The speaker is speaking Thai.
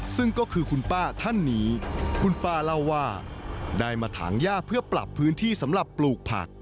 ซึ่งก็คือคุณป้าท่านนี้คุณป้าเล่าว่าได้มาถางย่าเพื่อปรับพื้นที่สำหรับปลูกผัก